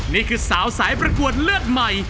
นี่คือสาวสายประกวดเลือดใหม่